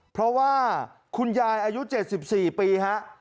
เพราะว่าคุณยายอายุ๗๔ปีฮะ